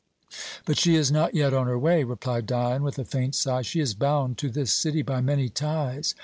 "But she is not yet on her way," replied Dion with a faint sigh. "She is bound to this city by many ties."